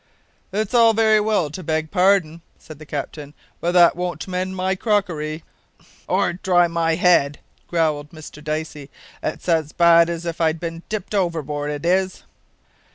"It's all very well to beg pardon," said the captain, "but that won't mend my crockery!" "Or dry my head," growled Mr Dicey; "it's as bad as if I'd been dipped overboard, it is."